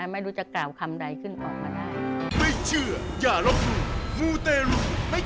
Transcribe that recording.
ไม่รู้จะกล่าวคำใดขึ้นออกมาได้